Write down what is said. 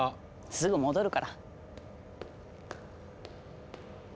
すぐ戻るから。